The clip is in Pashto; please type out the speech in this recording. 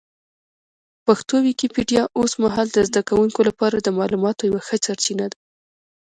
پښتو ويکيپېډيا اوس مهال د زده کوونکو لپاره د معلوماتو یوه ښه سرچینه ده.